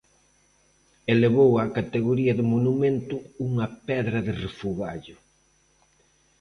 Elevou á categoría de monumento unha pedra de refugallo.